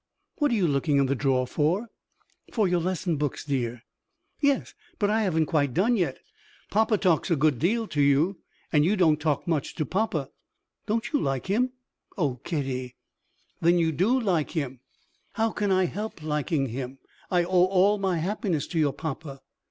What are you looking in the drawer for?" "For your lesson books, dear." "Yes but I haven't quite done yet. Papa talks a good deal to you, and you don't talk much to papa. Don't you like him?" "Oh, Kitty!" "Then do you like him?" "How can I help liking him? I owe all my happiness to your papa."